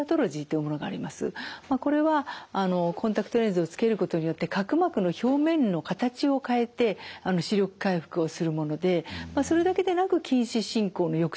これはコンタクトレンズをつけることによって角膜の表面の形を変えて視力回復をするものでそれだけでなく近視進行の抑制効果が出ます。